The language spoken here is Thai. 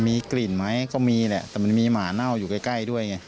มีกลิ่นไหมก็มีแหละแต่มันมีหมาเน่าอยู่ใกล้ด้วยไง